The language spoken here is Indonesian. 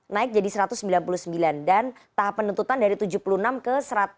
naik jadi satu ratus sembilan puluh sembilan dan tahap penuntutan dari tujuh puluh enam ke satu ratus enam puluh